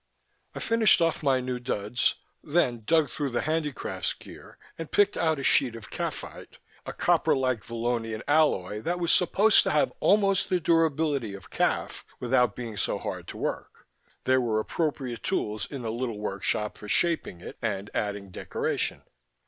I finished off my new duds, then dug through the handicrafts gear and picked out a sheet of khaffite, a copper like Vallonian alloy that was supposed to have almost the durability of khaff without being so hard to work. There were appropriate tools in the little workshop for shaping it and adding decoration.